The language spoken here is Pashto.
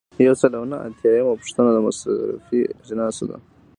یو سل او نهه اتیایمه پوښتنه د مصرفي اجناسو ده.